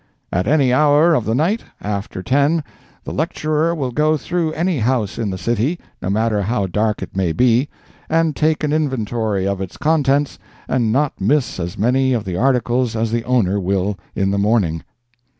"At any hour of the night, after ten, the lecturer will go through any house in the city, no matter how dark it may be, and take an inventory of its contents, and not miss as many of the articles as the owner will in the morning.